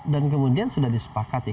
dan kemudian sudah disepakati